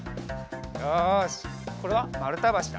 よしこれはまるたばしだ。